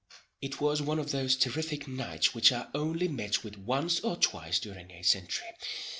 It was one of those terrific nights which are only met with once or twice during a century.